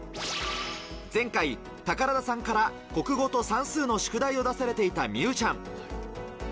前回、宝田さんから国語と算数の宿題を出されていた美羽ちゃん。